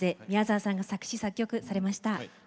宮沢さんが作詞・作曲されました。